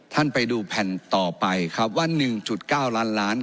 ท่านไปดูแผ่นต่อไปครับว่าหนึ่งจุดเก้าล้านล้าน